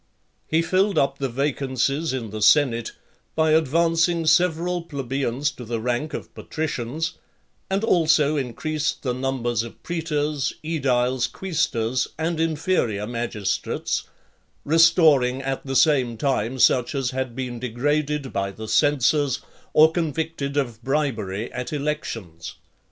XLI. He filled up the vacancies in the senate, by advancing several plebeians to the rank of patricians, and also increased the number of praetors, aediles, quaestors, and inferior magistrates; restoring, at the same time, such as had been degraded by the censors, or convicted of bribery at elections.